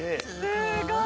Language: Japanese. すごい！